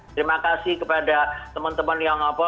terima kasih kepada teman teman yang apa